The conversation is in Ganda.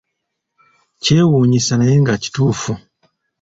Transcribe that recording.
Kyewunyisa naye nga kituufu!